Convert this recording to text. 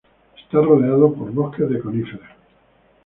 Está rodeado por bosques de coníferas.